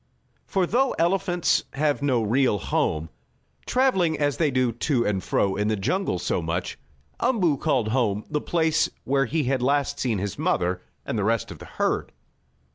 For though elephants have no real home, traveling as they do to and fro in the jungle so much, Umboo called "home" the place where he had last seen his mother and the rest of the herd.